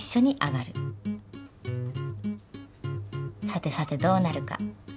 さてさてどうなるか。